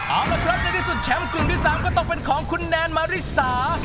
เอาละครับในที่สุดแชมป์กลุ่มที่๓ก็ตกเป็นของคุณแนนมาริสา